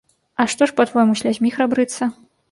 А што ж, па-твойму, слязьмі храбрыцца?